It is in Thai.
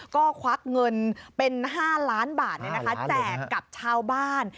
ก็ควักเงินเป็น๕ล้านบาทแจกกับชาวบ้าน